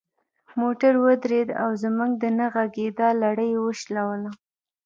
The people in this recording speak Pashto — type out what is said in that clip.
موټر ودرید او زموږ د نه غږیدا لړۍ یې وشلوله.